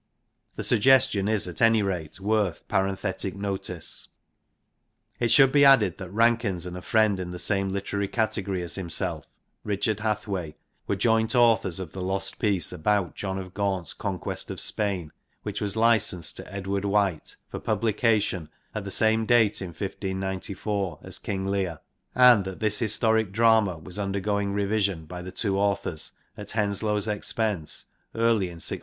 The suggestion is at any rate worth parenthetic notice. It should be added that Rankins and a friend in the same literary category as himself, Richard Hathway, were joint authors of that lost piece about John of Gaunt's Con quest of Spain, which was licensed to Edward White, for publication, at the same date in 1 594 as King Leir, and that this historic drama was undergoing revision by the two authors, at Henslo we' s expense, early in 1601.